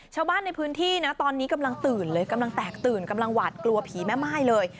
ชาวบ้านในพื้นที่นะตอนนี้กำลังตื่นเลยกำลังแตกตื่นกำลังหวาดกลัวผีแม่ม่ายเลย